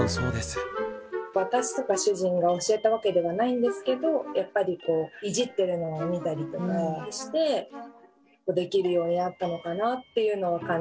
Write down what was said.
私とか主人が教えたわけではないんですけどやっぱりこういじってるのを見たりとかしてできるようになったのかなっていうのを感じます。